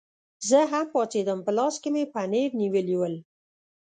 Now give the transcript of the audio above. زه هم پاڅېدم، په لاس کې مې پنیر نیولي ول.